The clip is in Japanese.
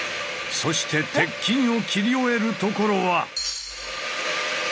そして鉄筋を切り終えるところは。